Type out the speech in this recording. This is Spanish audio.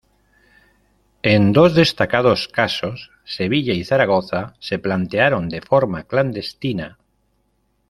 En dos destacados casos: Sevilla y Zaragoza, se plantearon de forma clandestina.